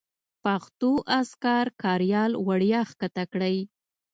پښتو اذکار کاریال وړیا کښته کړئ.